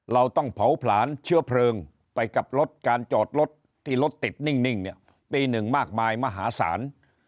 เราต้องเผาผลาญเชื้อเพลิงไปกับรถการจอดรถที่รถติดนิ่งเนี่ยปีหนึ่งมากมายมหาศาล